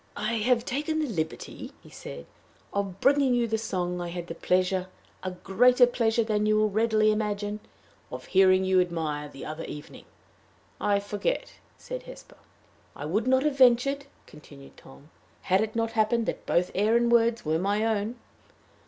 "I have taken the liberty," he said, "of bringing you the song I had the pleasure a greater pleasure than you will readily imagine of hearing you admire the other evening." "I forget," said Hesper. "I would not have ventured," continued Tom, "had it not happened that both air and words were my own."